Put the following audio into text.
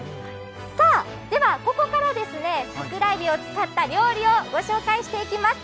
では、ここから、さくらえびを使った料理を紹介していきます。